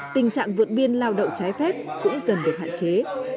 tình trạng vượt biên lao động trái phép cũng dần được hạn chế